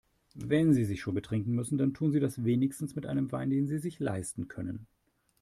Wenn Sie sich schon betrinken müssen, dann tun Sie das wenigstens mit einem Wein, den Sie sich leisten können.